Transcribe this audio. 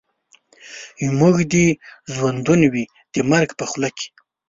زموږ دي ژوندون وي د مرګ په خوله کي